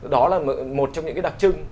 đó là một trong những cái đặc trưng